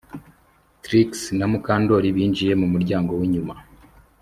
Trix na Mukandoli binjiye mu muryango winyuma